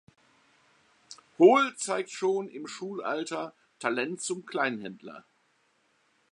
Hohl zeigt schon im Schulalter Talent zum Kleinhändler.